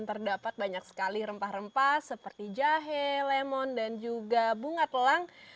terdapat banyak sekali rempah rempah seperti jahe lemon dan juga bunga telang